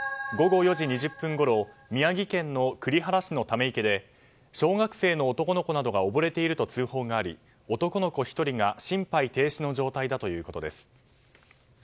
午後４時２０分ごろ宮城県の栗原市のため池で小学生の男の子などが溺れていると通報があり男の子１人が心肺停止の状態だということです。